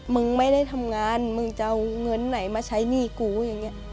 มึงไม่ได้ทำงานมึงจะเอาเงินไหนมาใช้หนี้กูอย่างนี้